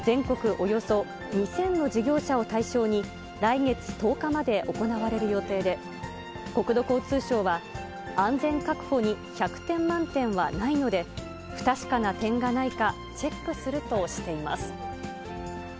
およそ２０００の事業者を対象に、来月１０日まで行われる予定で、国土交通省は、安全確保に１００点満点はないので、不確かな点がないか、チェックするとしています。